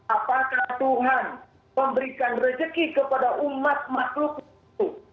apakah tuhan memberikan rezeki kepada umat makhluk itu